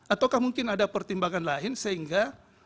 ataukah mungkin ada pertimbangan lain sehingga